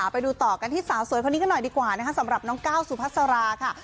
ไปดูต่อกันที่สาวสวยคนนี้กันหน่อยดีกว่านะคะสำหรับน้องก้าวสุพัสราค่ะ